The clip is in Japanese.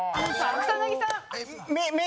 草薙さん。